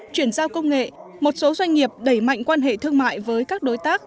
chuyển giao công nghệ một số doanh nghiệp đẩy mạnh quan hệ thương mại với các đối tác